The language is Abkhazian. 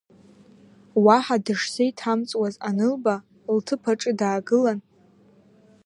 Уаҳа дышзеиҭамҵуаз анылба, лҭыԥ аҿы даагылан…